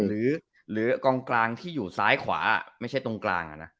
หรือกองกลางที่อยู่ซ้ายขวาไม่ใช่ตรงกลาง